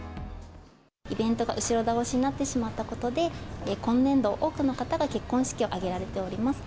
イベントが後ろ倒しになってしまったことで、今年度、多くの方が結婚式を挙げられております。